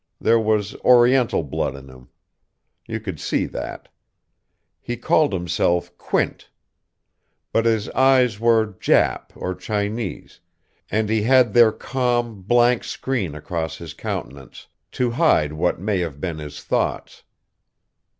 There was Oriental blood in him. You could see that. He called himself Quint. But his eyes were Jap, or Chinese; and he had their calm, blank screen across his countenance, to hide what may have been his thoughts.